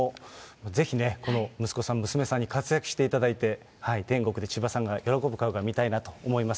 ぜひね、この息子さん、娘さんに活躍していただいて、天国で千葉さんが喜ぶ顔が見たいなと思います。